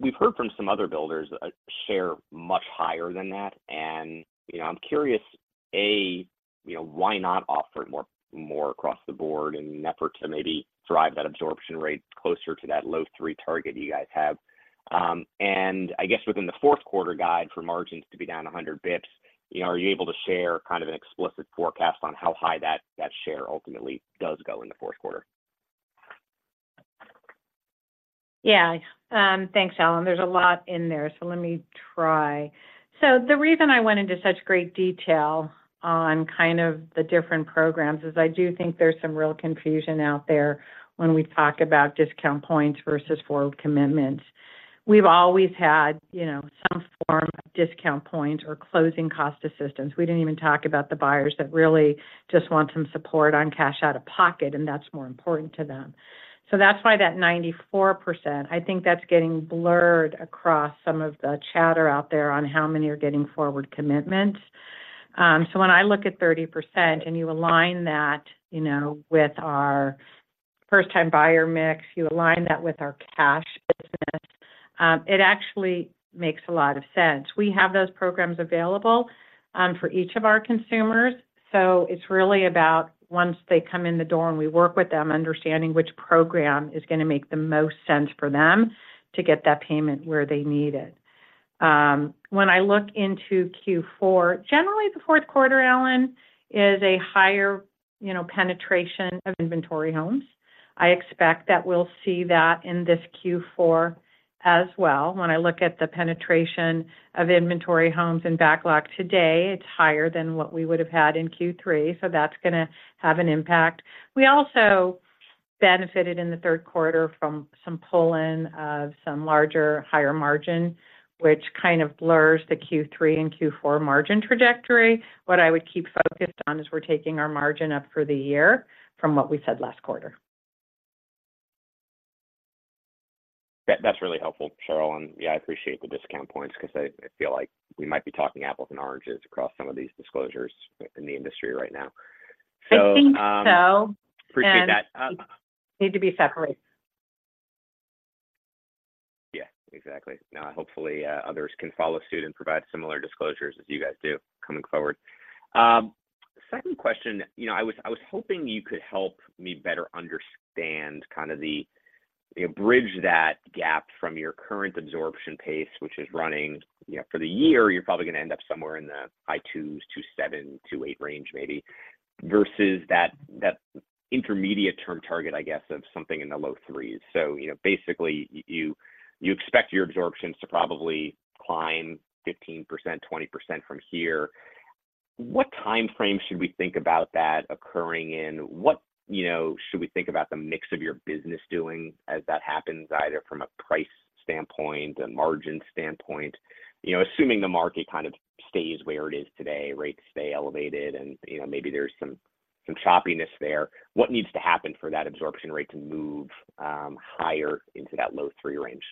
[SPEAKER 10] We've heard from some other builders a share much higher than that. And, you know, I'm curious, A: you know, why not offer more across the board in an effort to maybe drive that absorption rate closer to that low three target you guys have? And I guess within the fourth quarter guide for margins to be down 100 basis points, you know, are you able to share kind of an explicit forecast on how high that share ultimately does go in the fourth quarter?
[SPEAKER 3] Yeah. Thanks, Alan. There's a lot in there, so let me try. So the reason I went into such great detail on kind of the different programs is I do think there's some real confusion out there when we talk about discount points versus forward commitments. We've always had, you know, some form of discount points or closing cost assistance. We didn't even talk about the buyers that really just want some support on cash out of pocket, and that's more important to them. So that's why that 94%, I think that's getting blurred across some of the chatter out there on how many are getting forward commitments. So when I look at 30% and you align that, you know, with our first-time buyer mix, you align that with our cash business, it actually makes a lot of sense. We have those programs available, for each of our consumers, so it's really about once they come in the door and we work with them, understanding which program is going to make the most sense for them to get that payment where they need it. When I look into Q4, generally the fourth quarter, Alan, is a higher, you know, penetration of inventory homes. I expect that we'll see that in this Q4 as well. When I look at the penetration of inventory homes and backlog today, it's higher than what we would have had in Q3, so that's going to have an impact. We also benefited in the Q3 from some pull-in of some larger, higher margin, which kind of blurs the Q3 and Q4 margin trajectory. What I would keep focused on is we're taking our margin up for the year from what we said last quarter.
[SPEAKER 10] That, that's really helpful, Sheryl, and yeah, I appreciate the discount points because I, I feel like we might be talking apples and oranges across some of these disclosures in the industry right now. So,
[SPEAKER 3] I think so.
[SPEAKER 10] Appreciate that.
[SPEAKER 3] Need to be separated.
[SPEAKER 10] Yeah, exactly. Now, hopefully, others can follow suit and provide similar disclosures as you guys do coming forward. Second question. You know, I was, I was hoping you could help me better understand kind of the bridge that gap from your current absorption pace, which is running, you know, for the year, you're probably going to end up somewhere in the high twos, 2.7, 2.8 range, maybe, versus that intermediate-term target, I guess, of something in the low threes. So, you know, basically, y-you, you expect your absorptions to probably climb 15%-20% from here. What time frame should we think about that occurring in? What, you know, should we think about the mix of your business doing as that happens, either from a price standpoint, a margin standpoint? You know, assuming the market kind of stays where it is today, rates stay elevated, and, you know, maybe there's some choppiness there, what needs to happen for that absorption rate to move higher into that low 3 range?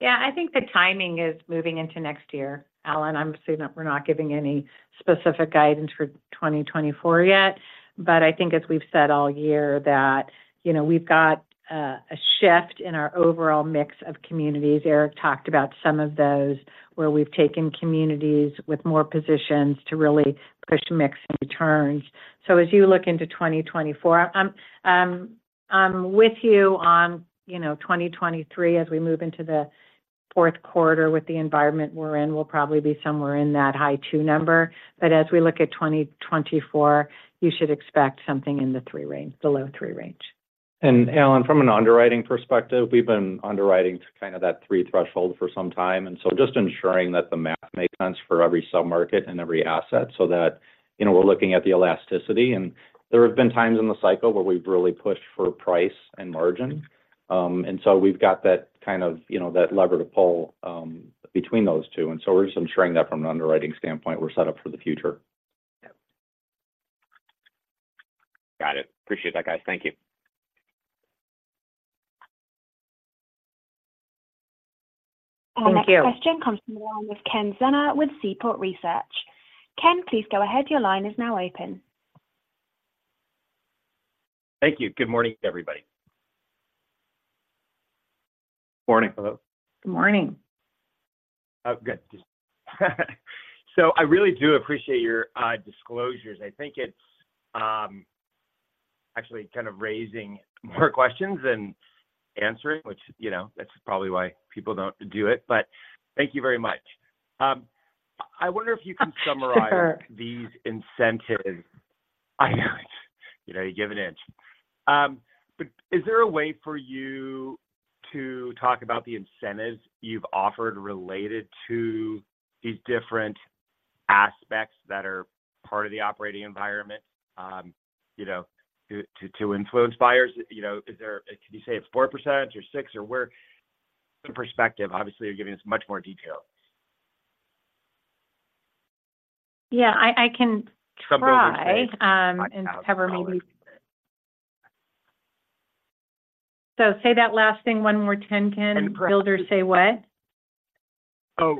[SPEAKER 3] Yeah, I think the timing is moving into next year, Alan. Obviously, we're not giving any specific guidance for 2024 yet, but I think as we've said all year, that, you know, we've got a shift in our overall mix of communities. Erik talked about some of those, where we've taken communities with more positions to really push mix and returns. So as you look into 2024, I'm with you on, you know, 2023. As we move into the fourth quarter, with the environment we're in, we'll probably be somewhere in that high-2 number. But as we look at 2024, you should expect something in the 3 range, the low-3 range.
[SPEAKER 4] Alan, from an underwriting perspective, we've been underwriting to kind of that 3 threshold for some time. And so just ensuring that the math makes sense for every submarket and every asset, so that, you know, we're looking at the elasticity. And there have been times in the cycle where we've really pushed for price and margin. And so we've got that kind of, you know, that lever to pull, between those two, and so we're just ensuring that from an underwriting standpoint, we're set up for the future.
[SPEAKER 10] Got it. Appreciate that, guys. Thank you.
[SPEAKER 3] Thank you.
[SPEAKER 1] Our next question comes from the line of Ken Zener with Seaport Research. Ken, please go ahead. Your line is now open.
[SPEAKER 11] Thank you. Good morning, everybody.
[SPEAKER 4] Morning. Hello.
[SPEAKER 3] Good morning.
[SPEAKER 11] Oh, good. So I really do appreciate your disclosures. I think it's actually kind of raising more questions than answering, which, you know, that's probably why people don't do it, but thank you very much. I wonder if you can summarize-
[SPEAKER 3] Sure...
[SPEAKER 11] these incentives. I know, you know, you give an inch. But is there a way for you to talk about the incentives you've offered related to these different aspects that are part of the operating environment, you know, to influence buyers? You know, is there? Did you say it's 4% or 6, or where? In perspective, obviously, you're giving us much more detail....
[SPEAKER 3] Yeah, I can try and cover maybe. So say that last thing one more time, Ken. Builders say what?
[SPEAKER 11] Oh,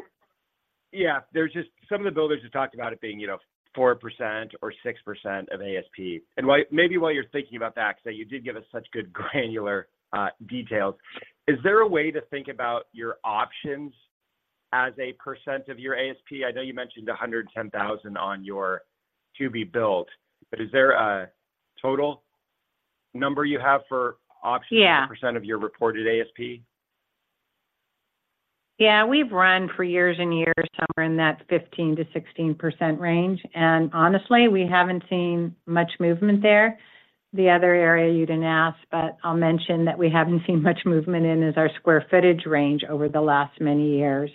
[SPEAKER 11] yeah. There's just some of the builders have talked about it being, you know, 4% or 6% of ASP. And while maybe while you're thinking about that, 'cause you did give us such good granular details, is there a way to think about your options as a percent of your ASP? I know you mentioned 110,000 on your to-be-built, but is there a total number you have for options-
[SPEAKER 3] Yeah
[SPEAKER 11] -% of your reported ASP?
[SPEAKER 3] Yeah, we've run for years and years, somewhere in that 15%-16% range, and honestly, we haven't seen much movement there. The other area you didn't ask, but I'll mention, that we haven't seen much movement in, is our square footage range over the last many years.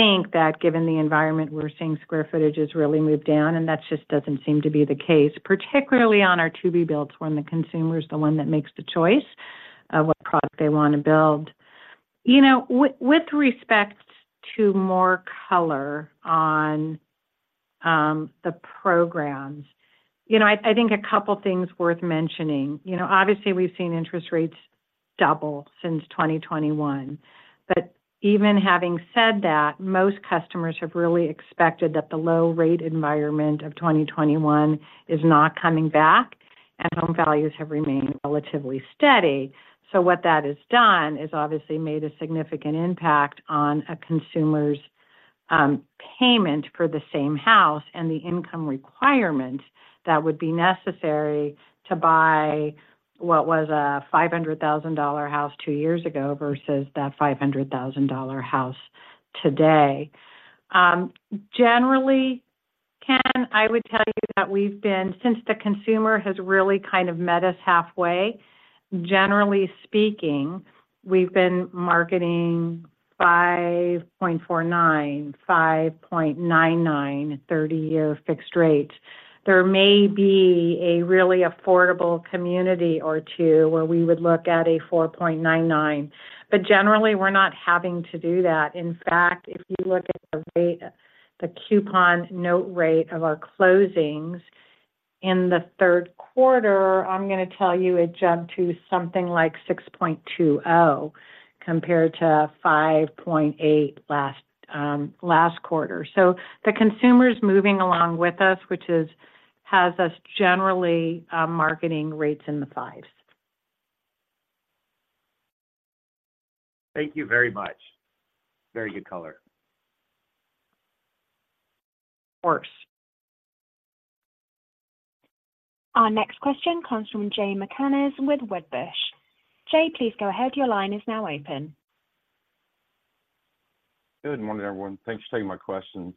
[SPEAKER 3] You would think that given the environment, we're seeing square footages really move down, and that just doesn't seem to be the case, particularly on our to-be-builts, when the consumer is the one that makes the choice of what product they want to build. You know, with respect to more color on, the programs, you know, I, I think a couple things worth mentioning. You know, obviously, we've seen interest rates double since 2021, but even having said that, most customers have really expected that the low rate environment of 2021 is not coming back, and home values have remained relatively steady. So what that has done is obviously made a significant impact on a consumer's payment for the same house and the income requirement that would be necessary to buy what was a $500,000 house two years ago versus that $500,000 house today. Generally, Ken, I would tell you that we've been since the consumer has really kind of met us halfway, generally speaking, we've been marketing 5.49, 5.99, 30-year fixed rate. There may be a really affordable community or two where we would look at a 4.99, but generally, we're not having to do that. In fact, if you look at the rate, the coupon note rate of our closings in the Q3, I'm gonna tell you it jumped to something like 6.20, compared to 5.8 last quarter. So the consumer's moving along with us, which has us generally marketing rates in the fives.
[SPEAKER 11] Thank you very much. Very good color. Of course.
[SPEAKER 1] Our next question comes from Jay McCanless with Wedbush. Jay, please go ahead. Your line is now open.
[SPEAKER 12] Good morning, everyone. Thanks for taking my questions.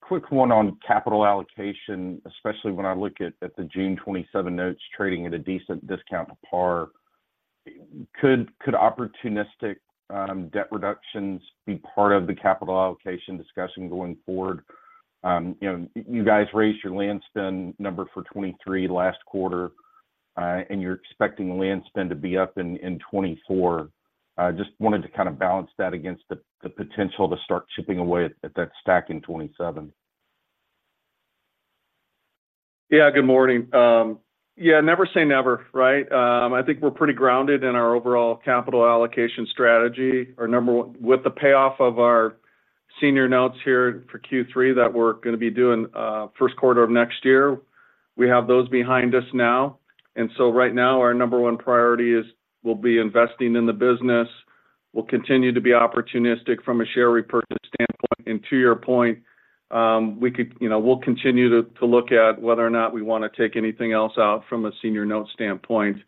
[SPEAKER 12] Quick one on capital allocation, especially when I look at the June 2027 notes trading at a decent discount to par. Could opportunistic debt reductions be part of the capital allocation discussion going forward? You know, you guys raised your land spend number for 2023 last quarter, and you're expecting land spend to be up in 2024. I just wanted to kind of balance that against the potential to start chipping away at that stack in 2027.
[SPEAKER 5] Yeah, good morning. Yeah, never say never, right? I think we're pretty grounded in our overall capital allocation strategy. With the payoff of our senior notes here for Q3 that we're going to be doing first quarter of next year, we have those behind us now. And so right now, our number one priority is, we'll be investing in the business. We'll continue to be opportunistic from a share repurchase standpoint. And to your point, we could... You know, we'll continue to look at whether or not we wanna take anything else out from a senior note standpoint.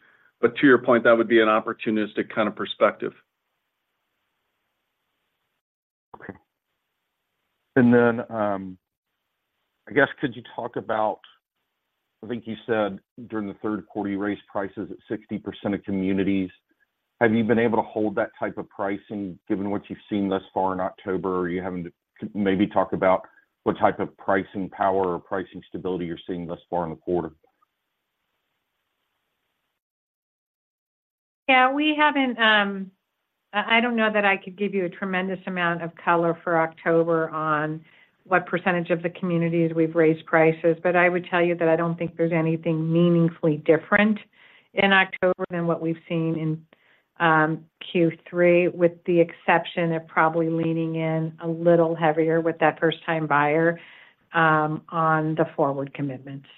[SPEAKER 5] But to your point, that would be an opportunistic kind of perspective.
[SPEAKER 12] Okay. And then, I guess, could you talk about, I think you said during the Q3, you raised prices at 60% of communities. Have you been able to hold that type of pricing, given what you've seen thus far in October? Are you having to maybe talk about what type of pricing power or pricing stability you're seeing thus far in the quarter?
[SPEAKER 3] Yeah, we haven't... I, I don't know that I could give you a tremendous amount of color for October on what percentage of the communities we've raised prices, but I would tell you that I don't think there's anything meaningfully different in October than what we've seen in Q3, with the exception of probably leaning in a little heavier with that first-time buyer on the forward commitments.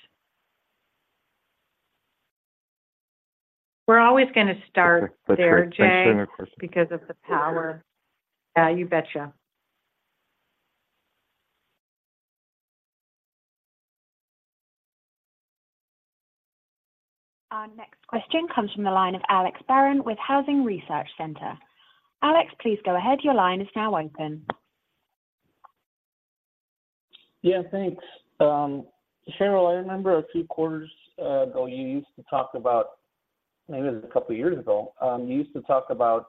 [SPEAKER 3] We're always going to start there, Jay-
[SPEAKER 12] That's great. Thanks for the question.
[SPEAKER 3] -because of the power. Yeah, you betcha.
[SPEAKER 1] Our next question comes from the line of Alex Barron with Housing Research Center. Alex, please go ahead. Your line is now open.
[SPEAKER 13] Yeah, thanks. Sheryl, I remember a few quarters ago, you used to talk about, maybe it was a couple of years ago, you used to talk about,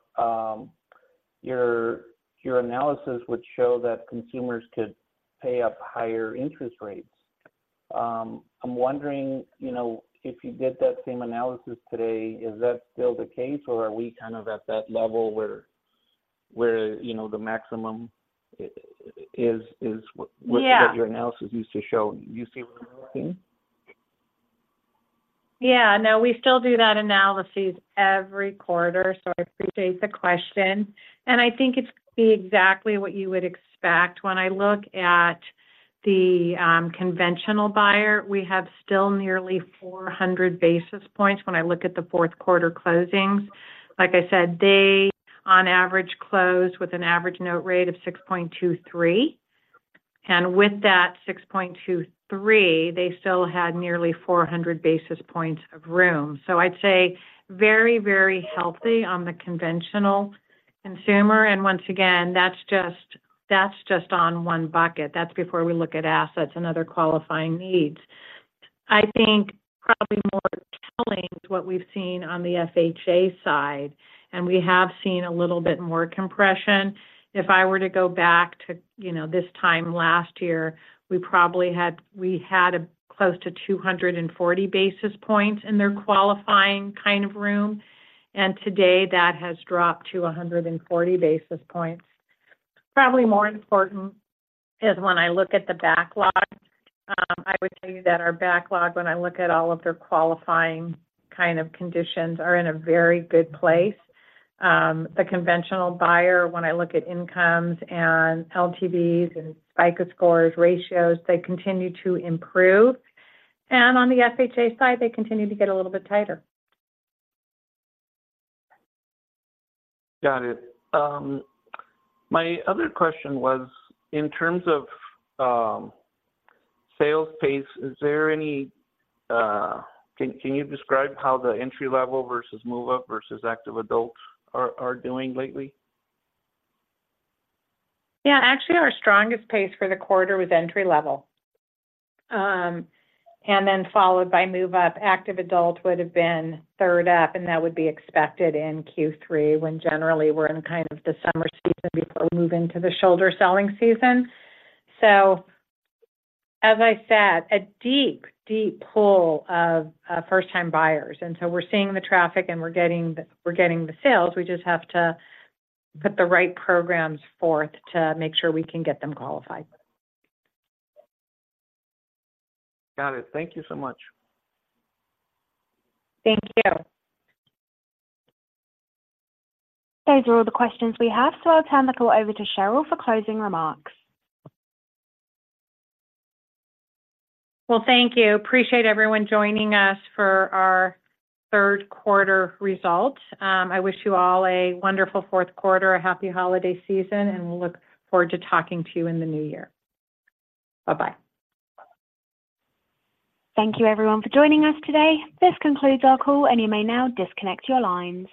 [SPEAKER 13] your, your analysis would show that consumers could pay up higher interest rates.... I'm wondering, you know, if you did that same analysis today, is that still the case, or are we kind of at that level where, where, you know, the maximum i- is, is what-
[SPEAKER 3] Yeah
[SPEAKER 13] What your analysis used to show? You see what you're wanting?
[SPEAKER 3] Yeah, no, we still do that analysis every quarter, so I appreciate the question, and I think it's exactly what you would expect. When I look at the conventional buyer, we have still nearly 400 basis points when I look at the fourth quarter closings. Like I said, they, on average, close with an average note rate of 6.23, and with that 6.23, they still had nearly 400 basis points of room. So I'd say very, very healthy on the conventional consumer, and once again, that's just, that's just on one bucket. That's before we look at assets and other qualifying needs. I think probably more telling is what we've seen on the FHA side, and we have seen a little bit more compression. If I were to go back to, you know, this time last year, we probably had a close to 240 basis points in their qualifying kind of room, and today that has dropped to 140 basis points. Probably more important is when I look at the backlog, I would tell you that our backlog, when I look at all of their qualifying kind of conditions, are in a very good place. The conventional buyer, when I look at incomes and LTVs and FICO scores, ratios, they continue to improve, and on the FHA side, they continue to get a little bit tighter.
[SPEAKER 13] Got it. My other question was, in terms of sales pace, can you describe how the entry level versus move-up versus active adult are doing lately?
[SPEAKER 3] Yeah, actually, our strongest pace for the quarter was entry level. And then followed by move-up. Active adult would have been third up, and that would be expected in Q3, when generally we're in kind of the summer season before moving to the shoulder selling season. So as I said, a deep, deep pool of first-time buyers, and so we're seeing the traffic, and we're getting the, we're getting the sales. We just have to put the right programs forth to make sure we can get them qualified.
[SPEAKER 13] Got it. Thank you so much.
[SPEAKER 3] Thank you.
[SPEAKER 1] Those are all the questions we have, so I'll turn the call over to Sheryl for closing remarks.
[SPEAKER 3] Well, thank you. Appreciate everyone joining us for our Q3 results. I wish you all a wonderful fourth quarter, a happy holiday season, and we'll look forward to talking to you in the new year. Bye-bye.
[SPEAKER 1] Thank you everyone for joining us today. This concludes our call, and you may now disconnect your lines.